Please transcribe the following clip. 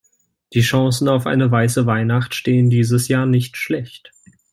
Die Chancen auf eine weiße Weihnacht stehen dieses Jahr nicht schlecht.